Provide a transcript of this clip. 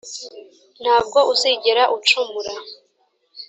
nta bwo uzigera ucumura